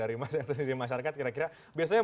dari masyarakat kira kira biasanya